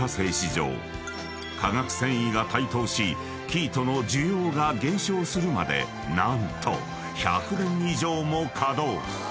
場化学繊維が台頭し生糸の需要が減少するまで何と１００年以上も稼働］